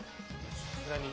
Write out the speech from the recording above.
さすがに。